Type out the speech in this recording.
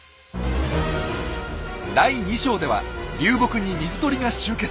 第２章では流木に水鳥が集結！